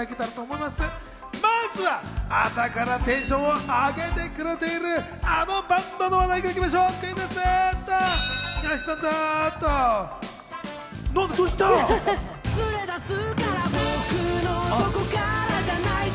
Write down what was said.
まずは朝からテンションを上げてくれているあのバンドの話題から行きましょう、クイズッス！